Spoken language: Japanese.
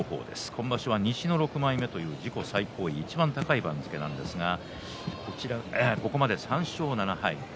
今場所、西の６枚目という自己最高位のいちばん高い番付ですがここまで３勝７敗。